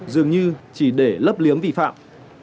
dường như chỉ để lấp liếm vi phạm